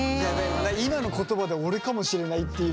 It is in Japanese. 今の言葉で俺かもしれないっていうちょっと。